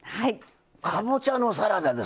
かぼちゃのサラダですか。